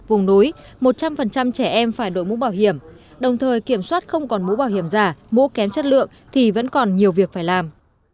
vùng núi một trăm linh trẻ em phải đội mũ bảo hiểm đồng thời kiểm soát không còn mũ bảo hiểm giả mũ kém chất lượng thì vẫn còn nhiều việc phải làm